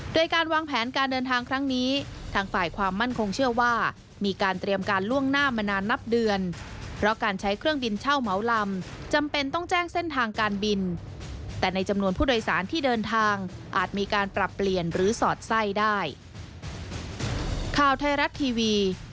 โดยการวางแผนการเดินทางครั้งนี้ทางฝ่ายความมั่นคงเชื่อว่ามีการเตรียมการล่วงหน้ามานานนับเดือนเพราะการใช้เครื่องบินเช่าเหมาลำจำเป็นต้องแจ้งเส้นทางการบินแต่ในจำนวนผู้โดยสารที่เดินทางอาจมีการปรับเปลี่ยนหรือสอดไส้ได้